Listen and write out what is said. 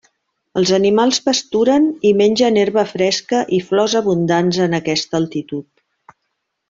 Els animals pasturen i mengen herba fresca i flors abundants en aquesta altitud.